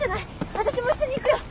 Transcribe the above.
わたしも一緒に行くよ。